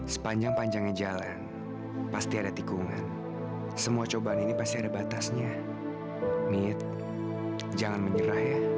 senangai crown master